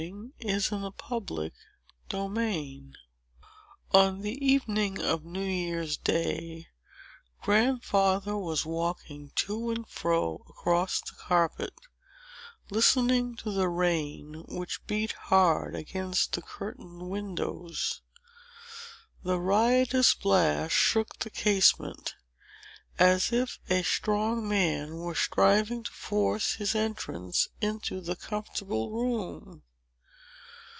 PART III Chapter I On the evening of New Year's day, Grandfather was walking to and fro, across the carpet, listening to the rain which beat hard against the curtained windows. The riotous blast shook the casement, as if a strong man were striving to force his entrance into the comfortable room.